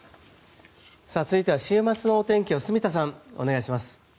続いては週末の天気を住田さん、お願いします。